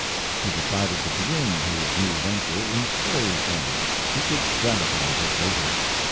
He decided to begin his new venture in story form. He could dramatize it later.